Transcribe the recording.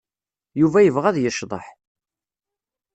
Yuba yebɣa ad yecḍeḥ.